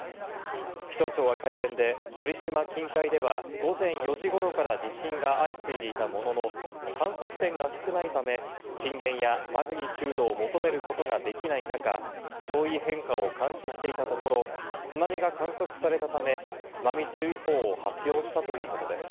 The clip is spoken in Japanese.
気象庁は会見で鳥島近海では午前４時ごろから地震が相次いでいたものの、観測点が少ないため、震源やマグニチュードを求めることができない中、潮位変化を監視していたところ、津波が観測されたため、津波注意報を発表したということです。